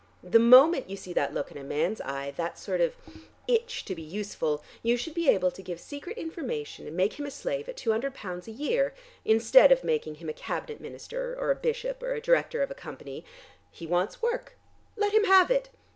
The moment you see that look in a man's eye, that sort of itch to be useful, you should be able to give secret information and make him a slave at £200 a year, instead of making him a cabinet minister or a bishop or a director of a company. He wants work: let him have it.